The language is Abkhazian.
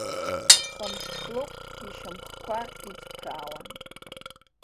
Хамшҭлыҟә ишьамхқәа иҵԥраауан.